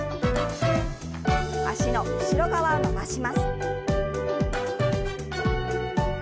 脚の後ろ側を伸ばします。